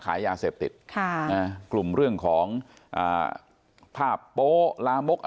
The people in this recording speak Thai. ขายยาเสพติดค่ะนะกลุ่มเรื่องของอ่าภาพโป๊ลามก